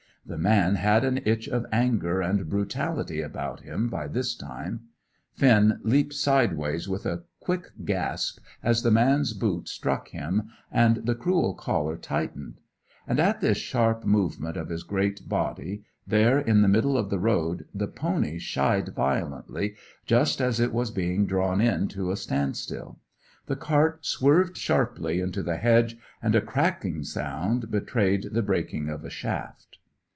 The man had an itch of anger and brutality upon him by this time. Finn leaped sideways with a quick gasp as the man's boot struck him and the cruel collar tightened; and at this sharp movement of his great body, there in the middle of the road, the pony shied violently, just as it was being drawn in to a standstill; the cart swerved sharply into the hedge, and a cracking sound betrayed the breaking of a shaft.